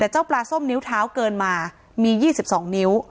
แต่เจ้าปลาส้มนิ้วเท้าเกินมามียี่สิบสองนิ้ว